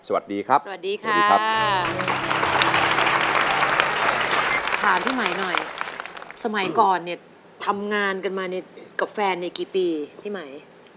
สวัสดีครับสวัสดีค่ะสวัสดีครับถามพี่ไหมหน่อยสมัยก่อนเนี่ยทำงานกันมาเนี่ยกับแฟนเนี่ยกี่ปีพี่ไหม